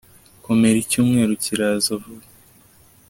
komera icyumweru kiraza vuba